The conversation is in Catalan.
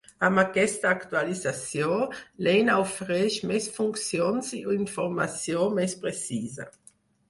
Amb aquesta actualització, l'eina ofereix més funcions i informació més precisa.